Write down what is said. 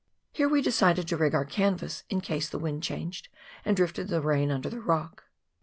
Here we decided to rig our canvas in case the wind changed and drifted the rain under the rock.